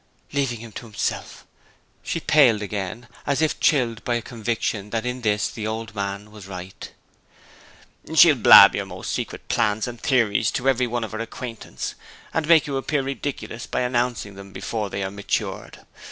Leaving him to himself! She paled again, as if chilled by a conviction that in this the old man was right. 'She'll blab your most secret plans and theories to every one of her acquaintance, and make you appear ridiculous by announcing them before they are matured.